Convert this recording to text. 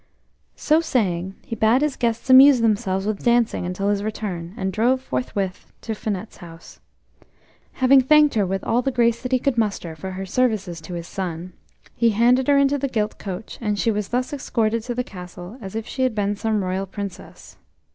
So saying, he bade his guests amuse themselves with dancing until his return, and drove forthwith to Finette's house. Having thanked her with all the grace that he could muster for her services to his son, he handed her into the gilt coach, and she was thus escorted to the castle as if she had been some royal princess.